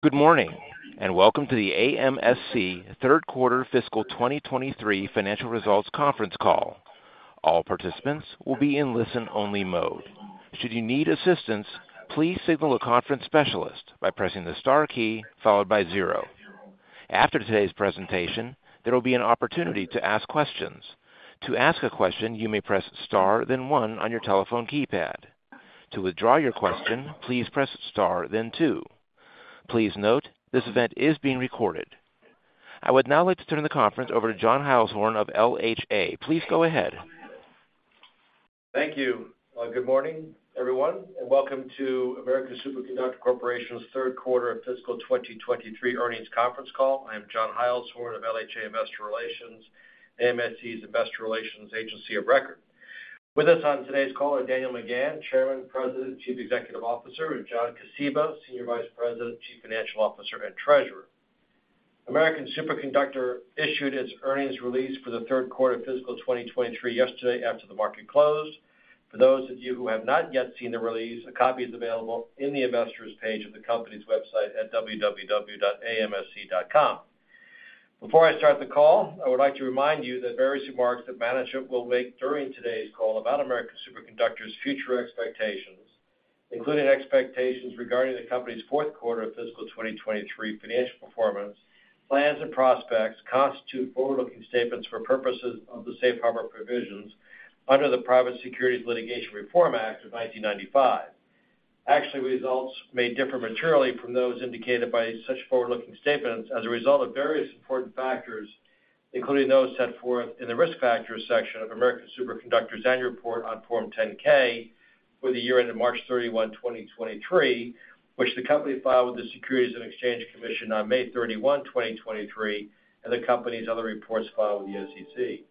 Good morning, and welcome to the AMSC Third Quarter FY 2023 Financial Results conference call. All participants will be in listen-only mode. Should you need assistance, please signal a conference specialist by pressing the star key followed by zero. After today's presentation, there will be an opportunity to ask questions. To ask a question, you may press star, then one on your telephone keypad. To withdraw your question, please press star then two. Please note, this event is being recorded. I would now like to turn the conference over to John Heilshorn of LHA. Please go ahead. Thank you. Good morning, everyone, and welcome to American Superconductor Corporation's third quarter of FY 2023 earnings conference call. I'm John Heilshorn of LHA Investor Relations, AMSC's investor relations agency of record. With us on today's call are Daniel McGahn, Chairman, President, and Chief Executive Officer, and John Kosiba, Senior Vice President, Chief Financial Officer, and Treasurer. American Superconductor issued its earnings release for the third quarter of FY 2023 yesterday after the market closed. For those of you who have not yet seen the release, a copy is available in the Investors page of the company's website at www.amsc.com. Before I start the call, I would like to remind you that various remarks that management will make during today's call about American Superconductor's future expectations, including expectations regarding the company's fourth quarter of FY 2023 financial performance, plans, and prospects, constitute forward-looking statements for purposes of the safe harbor provisions under the Private Securities Litigation Reform Act of 1995. Actually, results may differ materially from those indicated by such forward-looking statements as a result of various important factors, including those set forth in the Risk Factors section of American Superconductor's annual report on Form 10-K for the year ended March 31, 2023, which the company filed with the Securities and Exchange Commission on May 31, 2023, and the company's other reports filed with the SEC.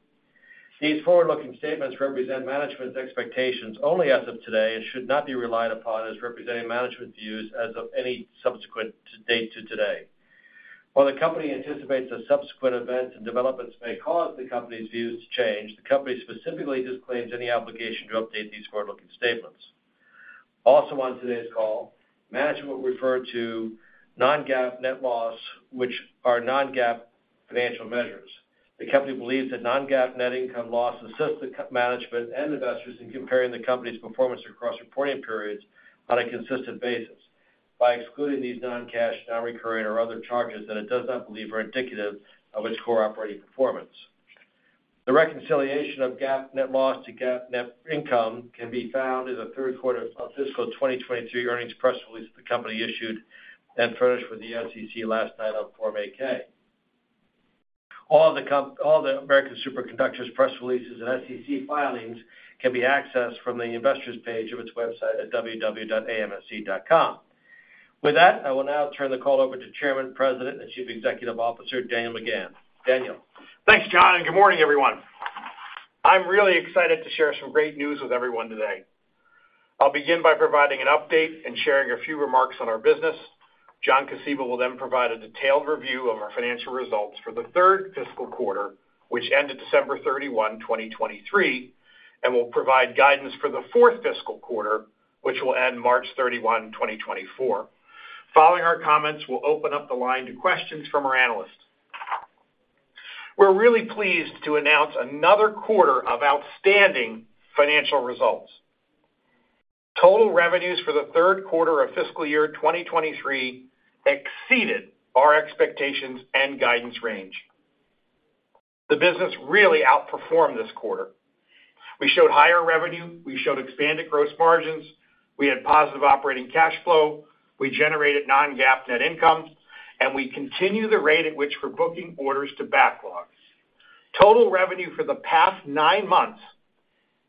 These forward-looking statements represent management's expectations only as of today and should not be relied upon as representing management views as of any subsequent date to today. While the company anticipates that subsequent events and developments may cause the company's views to change, the company specifically disclaims any obligation to update these forward-looking statements. Also, on today's call, management will refer to non-GAAP net loss, which are non-GAAP financial measures. The company believes that non-GAAP net income loss assists management and investors in comparing the company's performance across reporting periods on a consistent basis by excluding these non-cash, non-recurring or other charges that it does not believe are indicative of its core operating performance. The reconciliation of GAAP net loss to GAAP net income can be found in the third quarter of fiscal 2023 earnings press release that the company issued and furnished with the SEC last night on Form 8-K. All the American Superconductors press releases and SEC filings can be accessed from the investors page of its website at www.amsc.com. With that, I will now turn the call over to Chairman, President, and Chief Executive Officer, Daniel McGahn. Daniel? Thanks, John, and good morning, everyone. I'm really excited to share some great news with everyone today. I'll begin by providing an update and sharing a few remarks on our business. John Kosiba will then provide a detailed review of our financial results for the third fiscal quarter, which ended December 31, 2023, and will provide guidance for the fourth fiscal quarter, which will end March 31, 2024. Following our comments, we'll open up the line to questions from our analysts. We're really pleased to announce another quarter of outstanding financial results. Total revenues for the third quarter of fiscal year 2023 exceeded our expectations and guidance range. The business really outperformed this quarter. We showed higher revenue, we showed expanded gross margins, we had positive operating cash flow, we generated non-GAAP net income, and we continue the rate at which we're booking orders to backlogs. Total revenue for the past nine months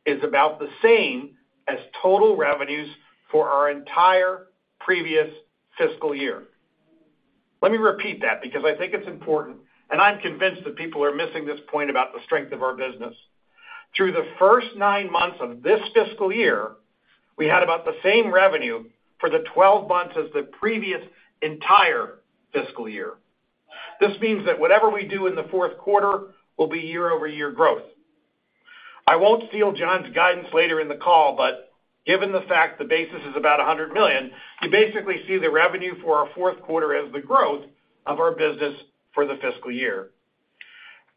is about the same as total revenues for our entire previous fiscal year. Let me repeat that, because I think it's important, and I'm convinced that people are missing this point about the strength of our business. Through the first nine months of this fiscal year, we had about the same revenue for the 12 months as the previous entire fiscal year. This means that whatever we do in the fourth quarter will be year-over-year growth. I won't steal John's guidance later in the call, but given the fact the basis is about $100 million, you basically see the revenue for our fourth quarter as the growth of our business for the fiscal year.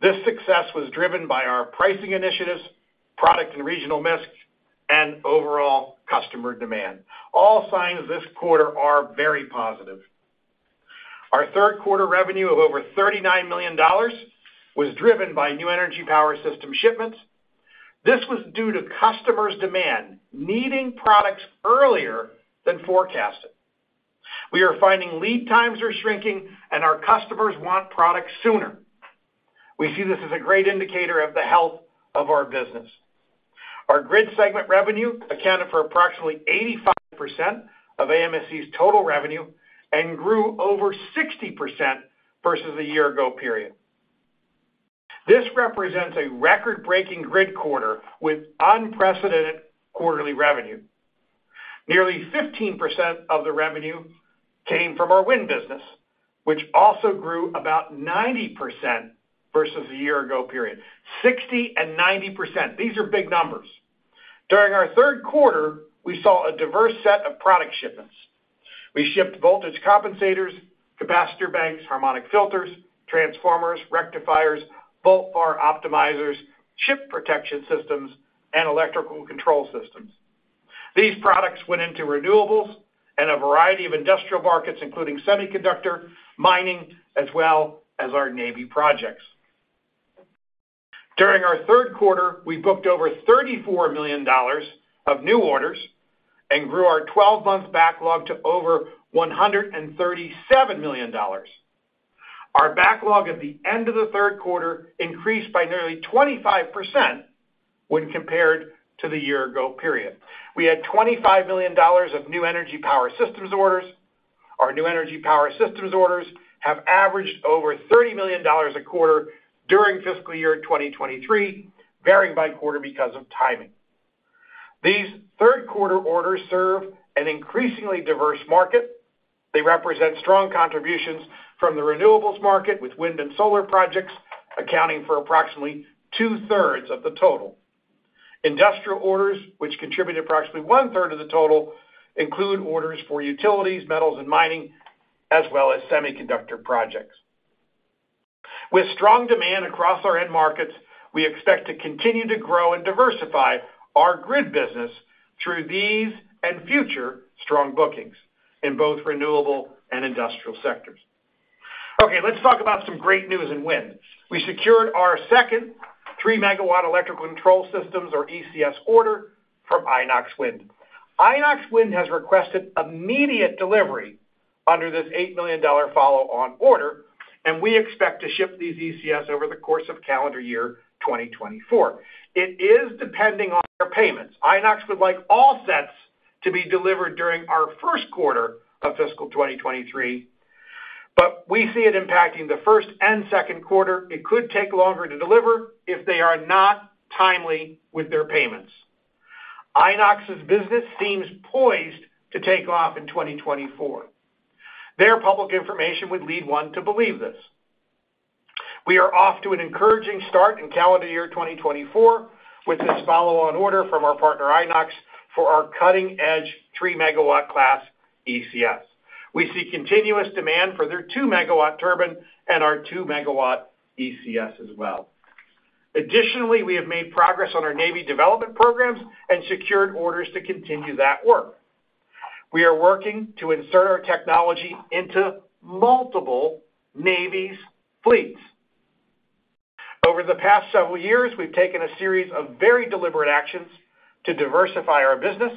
This success was driven by our pricing initiatives, product and regional mix, and overall customer demand. All signs this quarter are very positive. Our third quarter revenue of over $39 million was driven by new energy power system shipments. This was due to customers' demand, needing products earlier than forecasted. We are finding lead times are shrinking and our customers want products sooner. We see this as a great indicator of the health of our business. Our grid segment revenue accounted for approximately 85% of AMSC's total revenue and grew over 60% versus a year ago period. This represents a record-breaking grid quarter with unprecedented quarterly revenue. Nearly 15% of the revenue came from our wind business, which also grew about 90% versus a year ago period. 60% and 90%, these are big numbers.... During our third quarter, we saw a diverse set of product shipments. We shipped voltage compensators, capacitor banks, harmonic filters, transformers, rectifiers, Volt-VAR optimizers, Ship Protection Systems, and Electrical Control Systems. These products went into renewables and a variety of industrial markets, including semiconductor, mining, as well as our Navy projects. During our third quarter, we booked over $34 million of new orders and grew our 12-month backlog to over $137 million. Our backlog at the end of the third quarter increased by nearly 25% when compared to the year-ago period. We had $25 million of New Energy Power Systems orders. Our New Energy Power Systems orders have averaged over $30 million a quarter during FY 2023, varying by quarter because of timing. These third quarter orders serve an increasingly diverse market. They represent strong contributions from the renewables market, with wind and solar projects accounting for approximately two-thirds of the total. Industrial orders, which contribute approximately one-third of the total, include orders for utilities, metals and mining, as well as semiconductor projects. With strong demand across our end markets, we expect to continue to grow and diversify our grid business through these and future strong bookings in both renewable and industrial sectors. Okay, let's talk about some great news in wind. We secured our second 3 MW Electrical Control Systems or ECS order, from Inox Wind. Inox Wind has requested immediate delivery under this $8 million follow-on order, and we expect to ship these ECS over the course of calendar year 2024. It is depending on their payments. Inox would like all sets to be delivered during our first quarter of FY 2023, but we see it impacting the first and second quarter. It could take longer to deliver if they are not timely with their payments. Inox's business seems poised to take off in 2024. Their public information would lead one to believe this. We are off to an encouraging start in calendar year 2024 with this follow-on order from our partner, Inox, for our cutting-edge 3 MW class ECS. We see continuous demand for their 2 MW turbine and our 2 MW ECS as well. Additionally, we have made progress on our Navy development programs and secured orders to continue that work. We are working to insert our technology into multiple Navy fleets. Over the past several years, we've taken a series of very deliberate actions to diversify our business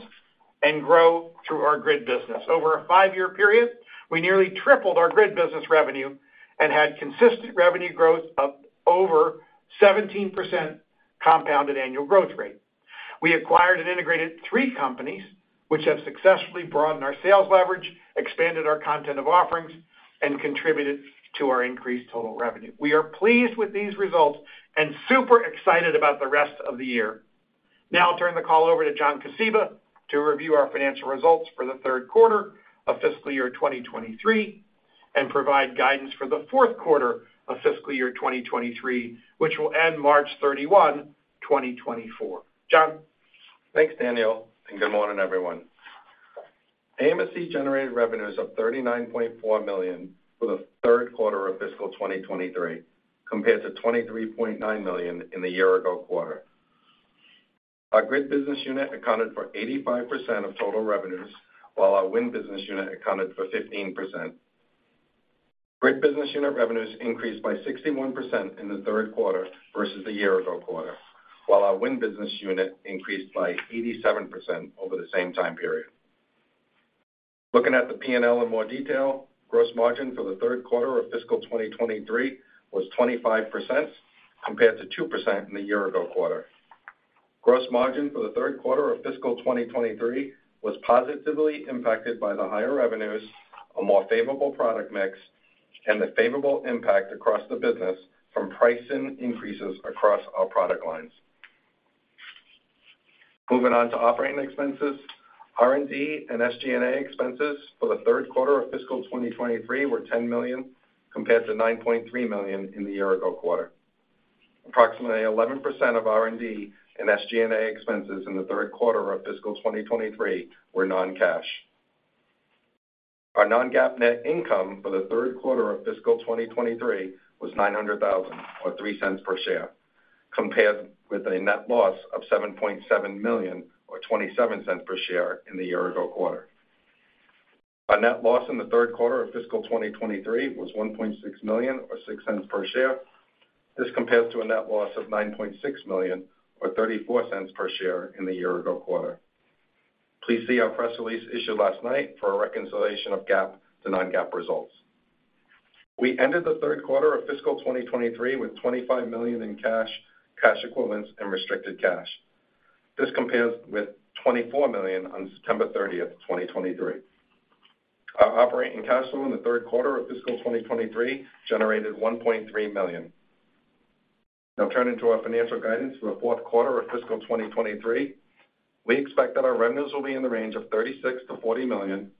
and grow through our grid business. Over a five-year period, we nearly tripled our grid business revenue and had consistent revenue growth of over 17% compounded annual growth rate. We acquired and integrated three companies, which have successfully broadened our sales leverage, expanded our content of offerings, and contributed to our increased total revenue. We are pleased with these results and super excited about the rest of the year. Now I'll turn the call over to John Kosiba, to review our financial results for the third quarter of FY 2023, and provide guidance for the fourth quarter of FY 2023, which will end March 31, 2024. John? Thanks, Daniel, and good morning, everyone. AMSC generated revenues of $39.4 million for the third quarter of FY 2023, compared to $23.9 million in the year-ago quarter. Our grid business unit accounted for 85% of total revenues, while our wind business unit accounted for 15%. Grid business unit revenues increased by 61% in the third quarter versus the year-ago quarter, while our wind business unit increased by 87% over the same time period. Looking at the P&L in more detail, gross margin for the third quarter of FY 2023 was 25%, compared to 2% in the year-ago quarter. Gross margin for the third quarter of FY 2023 was positively impacted by the higher revenues, a more favorable product mix, and the favorable impact across the business from pricing increases across our product lines. Moving on to operating expenses, R&D and SG&A expenses for the third quarter of FY 2023 were $10 million, compared to $9.3 million in the year-ago quarter. Approximately 11% of R&D and SG&A expenses in the third quarter of FY 2023 were non-cash. Our non-GAAP net income for the third quarter of FY 2023 was $900,000 or $0.03 per share, compared with a net loss of $7.7 million or $0.27 per share in the year-ago quarter. Our net loss in the third quarter of FY 2023 was $1.6 million or $0.06 per share. This compares to a net loss of $9.6 million or $0.34 per share in the year-ago quarter. Please see our press release issued last night for a reconciliation of GAAP to non-GAAP results. We ended the third quarter of FY 2023 with $25 million in cash, cash equivalents, and restricted cash. This compares with $24 million on September 30, 2023. Our operating cash flow in the third quarter of FY 2023 generated $1.3 million. Now turning to our financial guidance for the fourth quarter of FY 2023. We expect that our revenues will be in the range of $36 million-$40 million,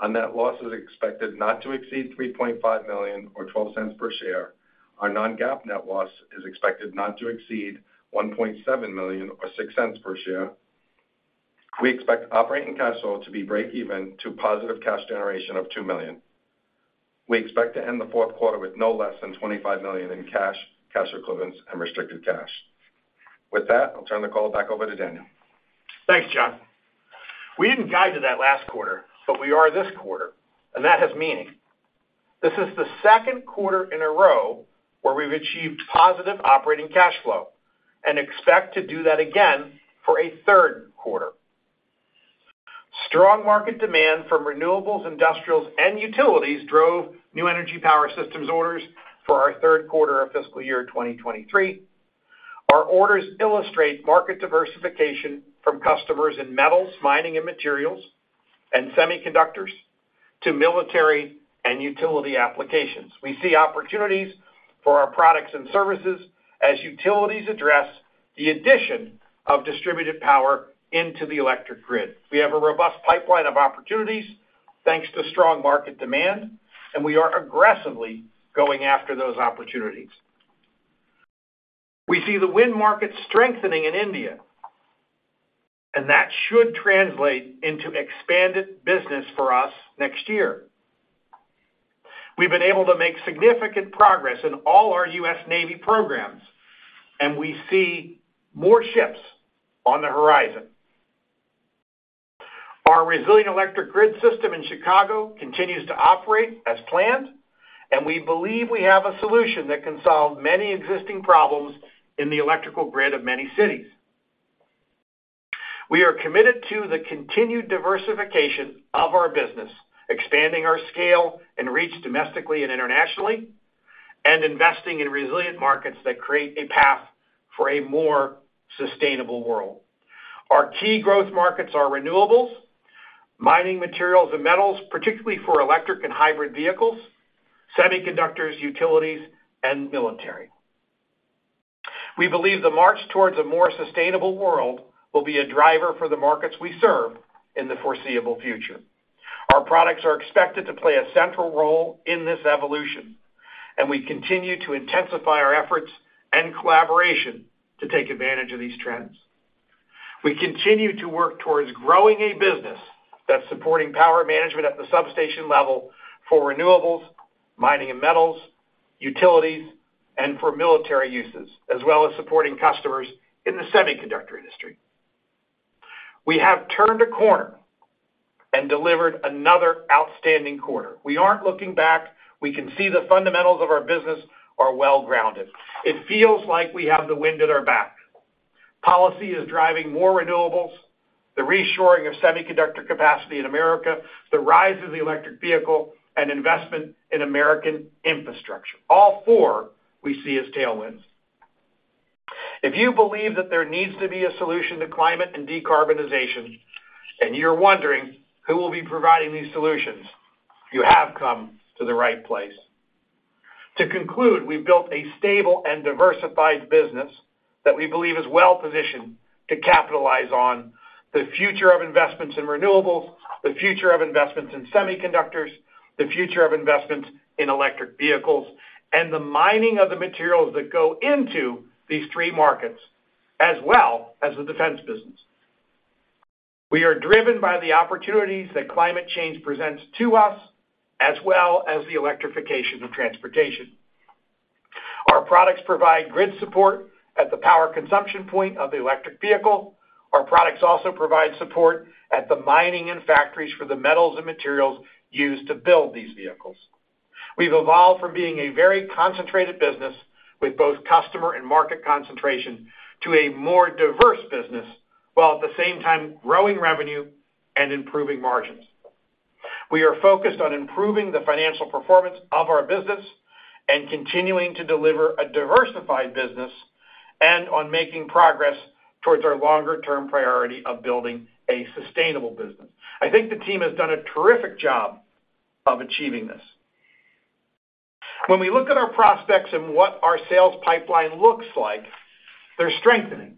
on net losses expected not to exceed $3.5 million or $0.12 per share. Our non-GAAP net loss is expected not to exceed $1.7 million or $0.06 per share. We expect operating cash flow to be breakeven to positive cash generation of $2 million. We expect to end the fourth quarter with no less than $25 million in cash, cash equivalents, and restricted cash. With that, I'll turn the call back over to Daniel. Thanks, John. We didn't guide to that last quarter, but we are this quarter, and that has meaning. This is the second quarter in a row where we've achieved positive operating cash flow and expect to do that again for a third quarter. Strong market demand from renewables, industrials, and utilities drove New Energy Power Systems orders for our third quarter of FY 2023. Our orders illustrate market diversification from customers in metals, mining and materials, and semiconductors to military and utility applications. We see opportunities for our products and services as utilities address the addition of distributed power into the electric grid. We have a robust pipeline of opportunities, thanks to strong market demand, and we are aggressively going after those opportunities. We see the wind market strengthening in India, and that should translate into expanded business for us next year. We've been able to make significant progress in all our U.S. Navy programs, and we see more ships on the horizon. Our Resilient Electric Grid system in Chicago continues to operate as planned, and we believe we have a solution that can solve many existing problems in the electrical grid of many cities. We are committed to the continued diversification of our business, expanding our scale and reach domestically and internationally, and investing in resilient markets that create a path for a more sustainable world. Our key growth markets are renewables, mining materials and metals, particularly for electric and hybrid vehicles, semiconductors, utilities, and military. We believe the march towards a more sustainable world will be a driver for the markets we serve in the foreseeable future. Our products are expected to play a central role in this evolution, and we continue to intensify our efforts and collaboration to take advantage of these trends. We continue to work towards growing a business that's supporting power management at the substation level for renewables, mining and metals, utilities, and for military uses, as well as supporting customers in the semiconductor industry. We have turned a corner and delivered another outstanding quarter. We aren't looking back. We can see the fundamentals of our business are well-grounded. It feels like we have the wind at our back. Policy is driving more renewables, the reshoring of semiconductor capacity in America, the rise of the electric vehicle, and investment in American infrastructure. All four we see as tailwinds. If you believe that there needs to be a solution to climate and decarbonization, and you're wondering who will be providing these solutions, you have come to the right place. To conclude, we've built a stable and diversified business that we believe is well-positioned to capitalize on the future of investments in renewables, the future of investments in semiconductors, the future of investments in electric vehicles, and the mining of the materials that go into these three markets, as well as the defense business. We are driven by the opportunities that climate change presents to us, as well as the electrification of transportation. Our products provide grid support at the power consumption point of the electric vehicle. Our products also provide support at the mining and factories for the metals and materials used to build these vehicles. We've evolved from being a very concentrated business with both customer and market concentration, to a more diverse business, while at the same time growing revenue and improving margins. We are focused on improving the financial performance of our business and continuing to deliver a diversified business and on making progress towards our longer-term priority of building a sustainable business. I think the team has done a terrific job of achieving this. When we look at our prospects and what our sales pipeline looks like, they're strengthening,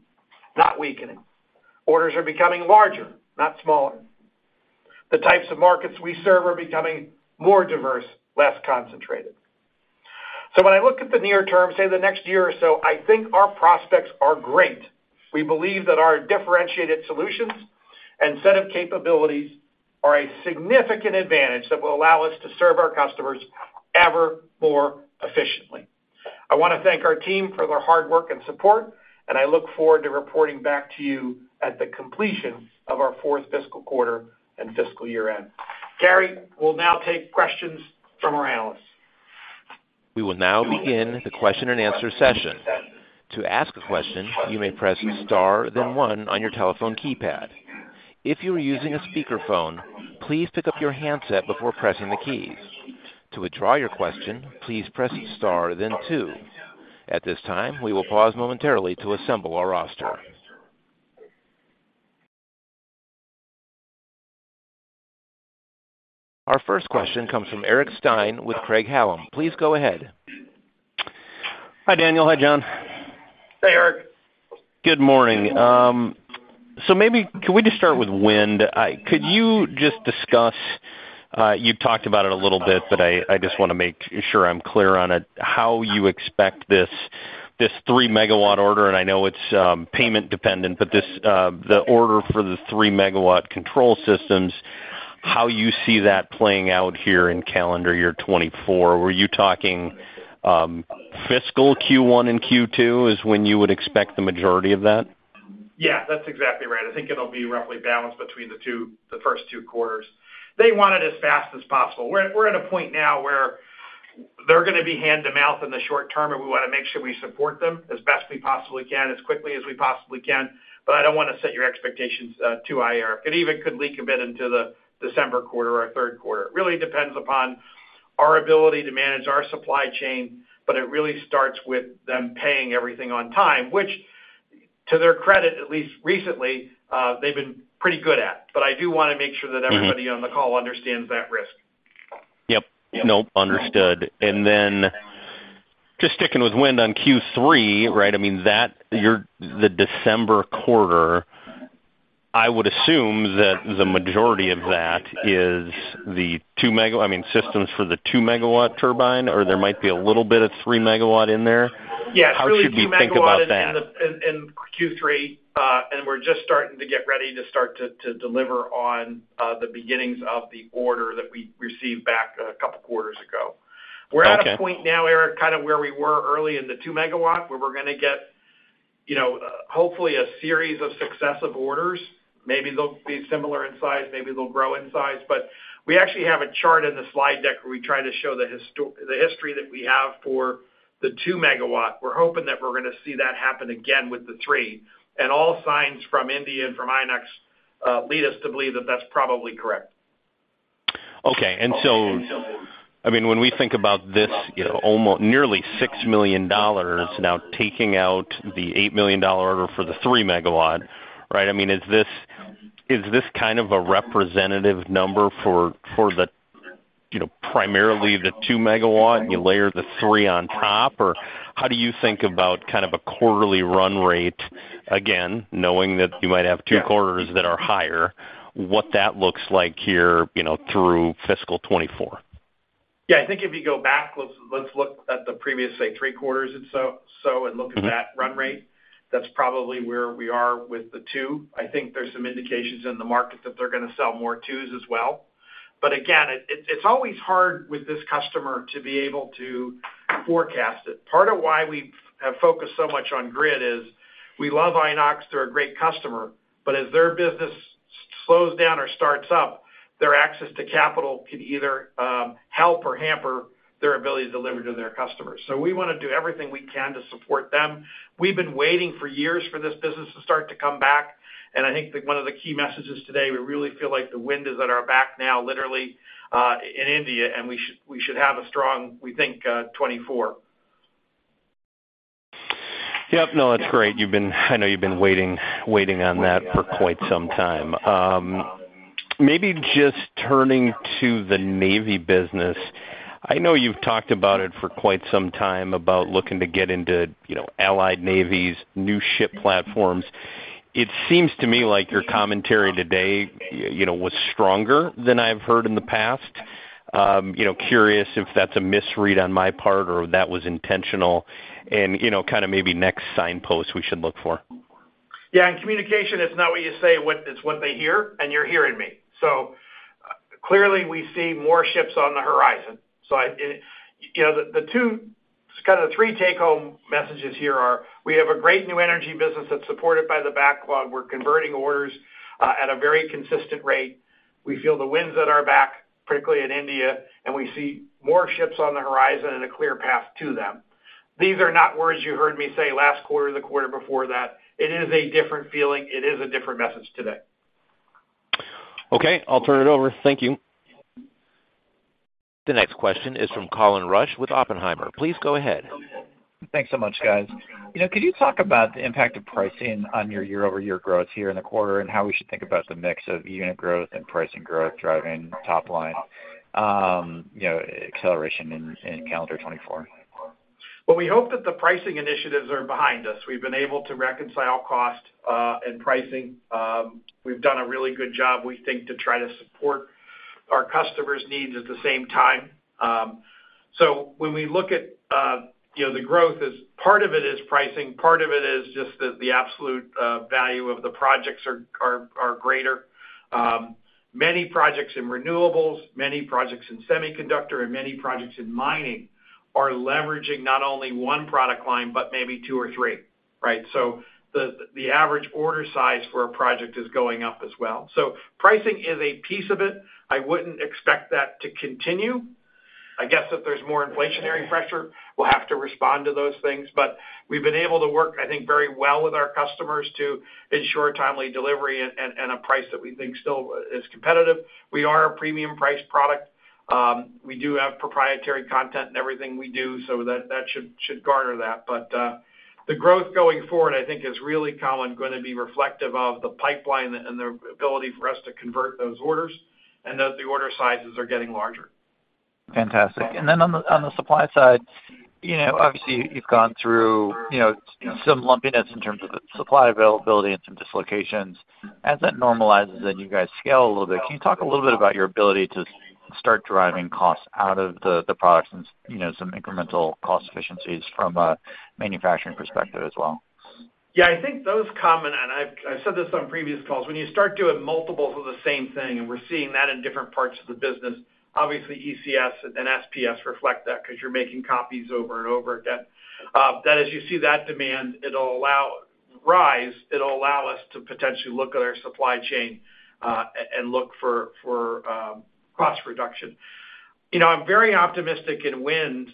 not weakening. Orders are becoming larger, not smaller. The types of markets we serve are becoming more diverse, less concentrated. So when I look at the near term, say, the next year or so, I think our prospects are great. We believe that our differentiated solutions and set of capabilities are a significant advantage that will allow us to serve our customers ever more efficiently. I want to thank our team for their hard work and support, and I look forward to reporting back to you at the completion of our fourth fiscal quarter and fiscal year-end. Gary, we'll now take questions from our analysts. We will now begin the question-and-answer session. To ask a question, you may press star then one on your telephone keypad. If you are using a speakerphone, please pick up your handset before pressing the keys. To withdraw your question, please press star then two. At this time, we will pause momentarily to assemble our roster. Our first question comes from Eric Stine with Craig-Hallum. Please go ahead. Hi, Daniel. Hi, John. ... Hey, Eric. Good morning. So maybe can we just start with wind? I could you just discuss, you've talked about it a little bit, but I, I just wanna make sure I'm clear on it, how you expect this, this 3 MW order, and I know it's payment dependent, but this, the order for the 3 MW control systems, how you see that playing out here in calendar year 2024? Were you talking, fiscal Q1 and Q2, is when you would expect the majority of that? Yeah, that's exactly right. I think it'll be roughly balanced between the two, the first two quarters. They want it as fast as possible. We're, we're at a point now where they're gonna be hand-to-mouth in the short term, and we wanna make sure we support them as best we possibly can, as quickly as we possibly can. But I don't wanna set your expectations too high, Eric. It even could leak a bit into the December quarter or our third quarter. It really depends upon our ability to manage our supply chain, but it really starts with them paying everything on time, which, to their credit, at least recently, they've been pretty good at. But I do wanna make sure that everybody- Mm-hmm... on the call understands that risk. Yep. Nope, understood. And then, just sticking with wind on Q3, right? I mean, that, your—the December quarter, I would assume that the majority of that is the 2 MW —I mean, systems for the 2 MW turbine, or there might be a little bit of 3 MW in there? Yes. How should we think about that? In Q3, and we're just starting to get ready to start to deliver on the beginnings of the order that we received back a couple quarters ago. Okay. We're at a point now, Eric, kind of where we were early in the 2 MW, where we're gonna get, you know, hopefully a series of successive orders. Maybe they'll be similar in size, maybe they'll grow in size. But we actually have a chart in the slide deck where we try to show the history that we have for the 2 MW. We're hoping that we're gonna see that happen again with the 3, and all signs from India and from Inox lead us to believe that that's probably correct. Okay. So, I mean, when we think about this, you know, nearly $6 million now, taking out the $8 million order for the 3 MW, right? I mean, is this kind of a representative number for, you know, primarily the 2 MW, and you layer the 3 on top? Or how do you think about kind of a quarterly run rate, again, knowing that you might have two quarters- Yeah... that are higher, what that looks like here, you know, through FY 2024? Yeah. I think if you go back, let's look at the previous, say, three quarters and so, so, and look at that- Mm-hmm... run rate. That's probably where we are with the two. I think there's some indications in the market that they're gonna sell more twos as well. But again, it, it's always hard with this customer to be able to forecast it. Part of why we have focused so much on grid is we love Inox, they're a great customer, but as their business slows down or starts up, their access to capital could either help or hamper their ability to deliver to their customers. So we wanna do everything we can to support them. We've been waiting for years for this business to start to come back, and I think that one of the key messages today, we really feel like the wind is at our back now, literally, in India, and we should have a strong, we think, 2024. Yep. No, that's great. You've been. I know you've been waiting, waiting on that for quite some time. Maybe just turning to the Navy business. I know you've talked about it for quite some time, about looking to get into, you know, allied navies, new ship platforms. It seems to me like your commentary today, you know, was stronger than I've heard in the past. You know, curious if that's a misread on my part or if that was intentional, and, you know, kind of maybe next signpost we should look for? Yeah, in communication, it's not what you say, what—it's what they hear, and you're hearing me. So clearly, we see more ships on the horizon. So, you know, the two... kind of three take-home messages here are, we have a great new energy business that's supported by the backlog. We're converting orders at a very consistent rate. We feel the winds at our back, particularly in India, and we see more ships on the horizon and a clear path to them. These are not words you heard me say last quarter, the quarter before that. It is a different feeling. It is a different message today. Okay, I'll turn it over. Thank you. The next question is from Colin Rusch with Oppenheimer. Please go ahead. Thanks so much, guys. You know, could you talk about the impact of pricing on your year-over-year growth here in the quarter, and how we should think about the mix of unit growth and pricing growth driving top line, you know, acceleration in calendar 2024? Well, we hope that the pricing initiatives are behind us. We've been able to reconcile cost and pricing. We've done a really good job, we think, to try to support our customers' needs at the same time. So when we look at, you know, the growth is, part of it is pricing, part of it is just the absolute value of the projects are greater. Many projects in renewables, many projects in semiconductor, and many projects in mining, are leveraging not only one product line, but maybe two or three, right? So the average order size for a project is going up as well. So pricing is a piece of it. I wouldn't expect that to continue. I guess if there's more inflationary pressure, we'll have to respond to those things. But we've been able to work, I think, very well with our customers to ensure timely delivery and a price that we think still is competitive. We are a premium price product. We do have proprietary content in everything we do, so that should garner that. But the growth going forward, I think, is really, Colin, gonna be reflective of the pipeline and the ability for us to convert those orders, and that the order sizes are getting larger.... Fantastic. And then on the, on the supply side, you know, obviously, you've gone through, you know, some lumpiness in terms of the supply availability and some dislocations. As that normalizes and you guys scale a little bit, can you talk a little bit about your ability to start driving costs out of the, the products and, you know, some incremental cost efficiencies from a manufacturing perspective as well? Yeah, I think those common, and I've said this on previous calls, when you start doing multiples of the same thing, and we're seeing that in different parts of the business, obviously, ECS and SPS reflect that because you're making copies over and over again. That as you see that demand, it'll allow rise, it'll allow us to potentially look at our supply chain and look for cost reduction. You know, I'm very optimistic in wind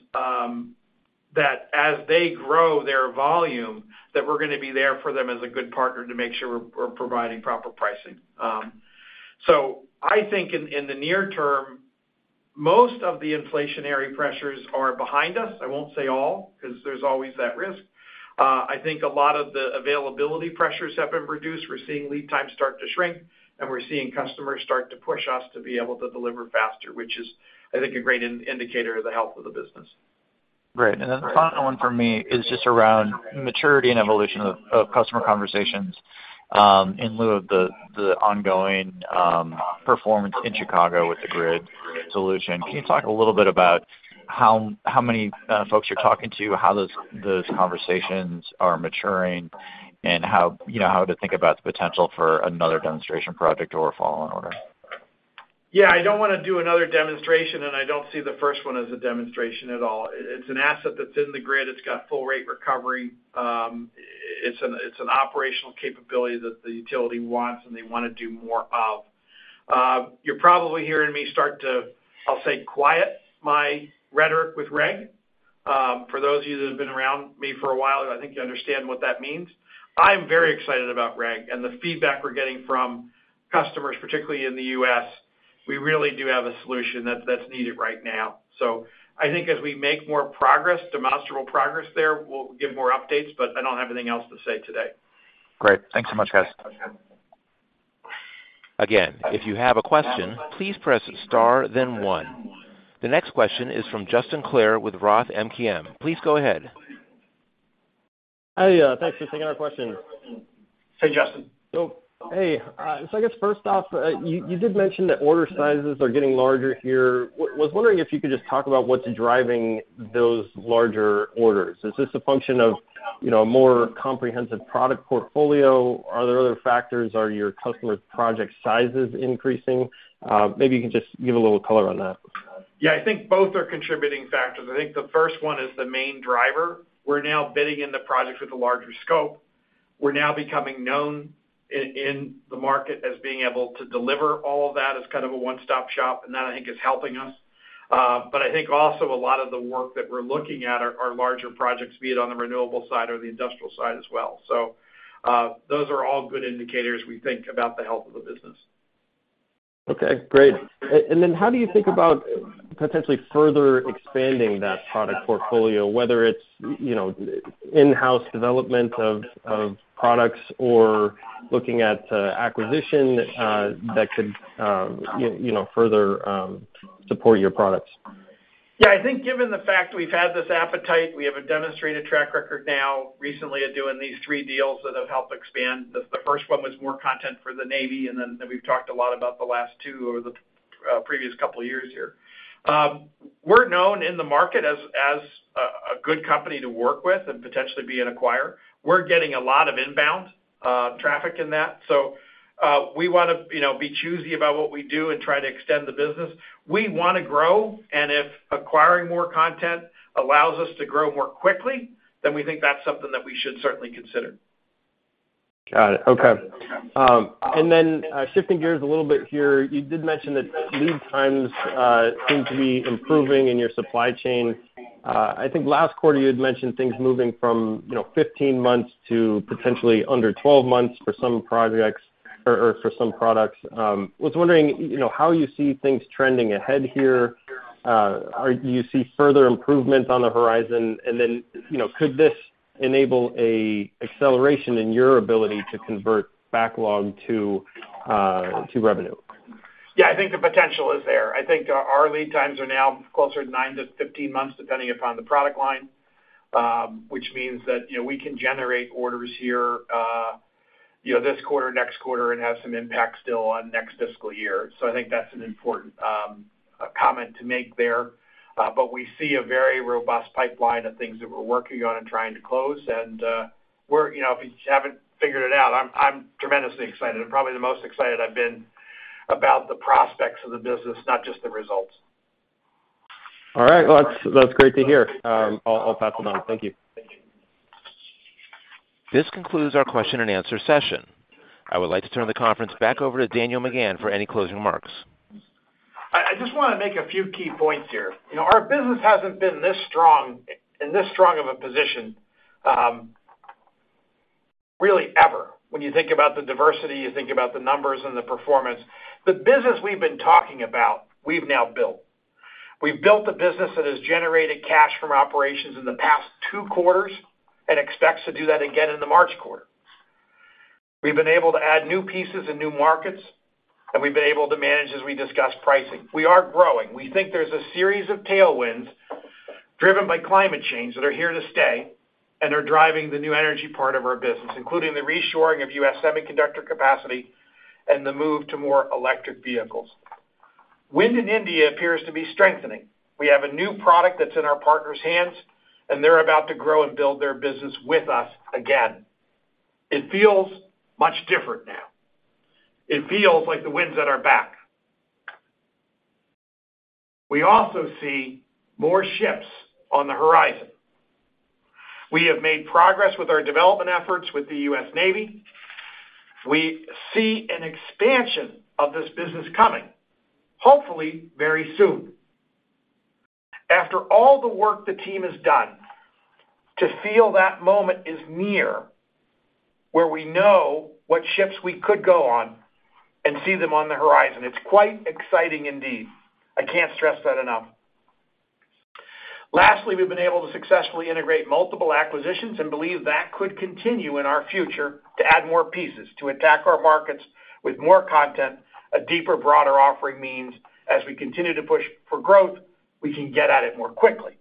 that as they grow their volume, that we're gonna be there for them as a good partner to make sure we're providing proper pricing. So I think in the near term, most of the inflationary pressures are behind us. I won't say all, because there's always that risk. I think a lot of the availability pressures have been reduced. We're seeing lead times start to shrink, and we're seeing customers start to push us to be able to deliver faster, which is, I think, a great indicator of the health of the business. Great. And then the final one for me is just around maturity and evolution of customer conversations, in lieu of the ongoing performance in Chicago with the grid solution. Can you talk a little bit about how many folks you're talking to, how those conversations are maturing, and how, you know, how to think about the potential for another demonstration project or a follow-on order? Yeah, I don't wanna do another demonstration, and I don't see the first one as a demonstration at all. It's an asset that's in the grid. It's got full rate recovery. It's an operational capability that the utility wants, and they wanna do more of. You're probably hearing me start to, I'll say, quiet my rhetoric with REG. For those of you that have been around me for a while, I think you understand what that means. I'm very excited about REG and the feedback we're getting from customers, particularly in the U.S. We really do have a solution that's needed right now. So I think as we make more progress, demonstrable progress there, we'll give more updates, but I don't have anything else to say today. Great. Thanks so much, guys. Again, if you have a question, please press star, then one. The next question is from Justin Clare with Roth MKM. Please go ahead. Hi, thanks for taking our question. Hey, Justin. Hey, so I guess first off, you did mention that order sizes are getting larger here. I was wondering if you could just talk about what's driving those larger orders. Is this a function of, you know, a more comprehensive product portfolio? Are there other factors? Are your customers' project sizes increasing? Maybe you can just give a little color on that. Yeah, I think both are contributing factors. I think the first one is the main driver. We're now bidding in the projects with a larger scope. We're now becoming known in the market as being able to deliver all of that as kind of a one-stop shop, and that, I think, is helping us. But I think also a lot of the work that we're looking at are larger projects, be it on the renewable side or the industrial side as well. So, those are all good indicators we think about the health of the business. Okay, great. And then how do you think about potentially further expanding that product portfolio, whether it's, you know, in-house development of products or looking at acquisition that could, you know, further support your products? Yeah, I think given the fact we've had this appetite, we have a demonstrated track record now recently of doing these three deals that have helped expand. The first one was more content for the Navy, and then we've talked a lot about the last two over the previous couple of years here. We're known in the market as a good company to work with and potentially be an acquirer. We're getting a lot of inbound traffic in that. So we wanna, you know, be choosy about what we do and try to extend the business. We wanna grow, and if acquiring more content allows us to grow more quickly, then we think that's something that we should certainly consider. Got it. Okay. And then, shifting gears a little bit here, you did mention that lead times seem to be improving in your supply chain. I think last quarter you had mentioned things moving from, you know, 15 months to potentially under 12 months for some projects or for some products. Was wondering, you know, how you see things trending ahead here? Do you see further improvements on the horizon? And then, you know, could this enable a acceleration in your ability to convert backlog to revenue? Yeah, I think the potential is there. I think, our lead times are now closer to 9-15 months, depending upon the product line, which means that, you know, we can generate orders here, you know, this quarter, next quarter, and have some impact still on next fiscal year. So I think that's an important comment to make there. But we see a very robust pipeline of things that we're working on and trying to close. And, we're, you know, if you haven't figured it out, I'm tremendously excited and probably the most excited I've been about the prospects of the business, not just the results. All right. Well, that's, that's great to hear. I'll, I'll pass it on. Thank you. This concludes our question and answer session. I would like to turn the conference back over to Daniel McGahn for any closing remarks. I just wanna make a few key points here. You know, our business hasn't been this strong, in this strong of a position, really, ever. When you think about the diversity, you think about the numbers and the performance. The business we've been talking about, we've now built. We've built a business that has generated cash from operations in the past two quarters and expects to do that again in the March quarter. We've been able to add new pieces and new markets, and we've been able to manage, as we discussed, pricing. We are growing. We think there's a series of tailwinds driven by climate change that are here to stay and are driving the new energy part of our business, including the reshoring of U.S. semiconductor capacity and the move to more electric vehicles. Wind in India appears to be strengthening. We have a new product that's in our partners' hands, and they're about to grow and build their business with us again. It feels much different now. It feels like the winds at our back. We also see more ships on the horizon. We have made progress with our development efforts with the U.S. Navy. We see an expansion of this business coming, hopefully very soon. After all the work the team has done, to feel that moment is near, where we know what ships we could go on and see them on the horizon, it's quite exciting indeed. I can't stress that enough. Lastly, we've been able to successfully integrate multiple acquisitions and believe that could continue in our future to add more pieces, to attack our markets with more content. A deeper, broader offering means as we continue to push for growth, we can get at it more quickly.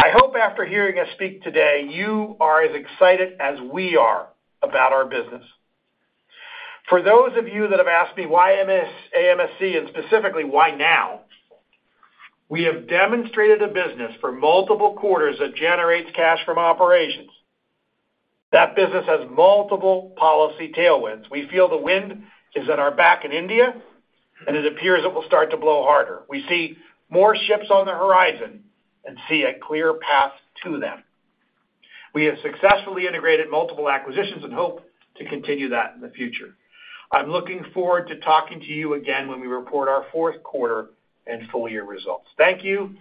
I hope after hearing us speak today, you are as excited as we are about our business. For those of you that have asked me, why AMSC, and specifically, why now? We have demonstrated a business for multiple quarters that generates cash from operations. That business has multiple policy tailwinds. We feel the wind is at our back in India, and it appears it will start to blow harder. We see more ships on the horizon and see a clear path to them. We have successfully integrated multiple acquisitions and hope to continue that in the future. I'm looking forward to talking to you again when we report our fourth quarter and full year results. Thank you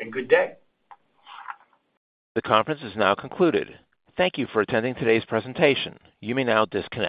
and good day. The conference is now concluded. Thank you for attending today's presentation. You may now disconnect.